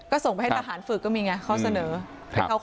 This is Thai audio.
ก็ส่งไปทำงานฝึกก็มีไงเขาเสนอไปเค้าค่ายทหารก็มี